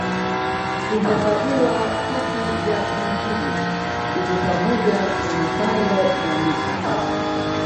Huhesabiwa kati ya Injili Ndugu pamoja na Mathayo na Luka.